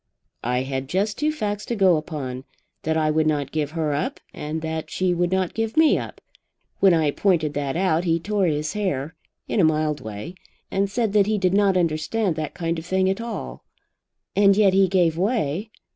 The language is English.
"I had just two facts to go upon, that I would not give her up, and that she would not give me up. When I pointed that out he tore his hair, in a mild way, and said that he did not understand that kind of thing at all." "And yet he gave way."